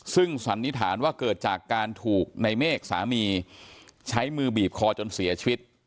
ซึ่งสันนิษฐานว่าเกิดจากการถูกในเมฆสามีใช้มือบีบคอจนเสียชีวิต